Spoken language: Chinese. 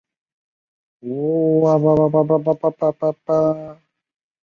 其中亦可能夹有少数汉语成分。